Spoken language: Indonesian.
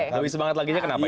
lebih semangat lagi kenapa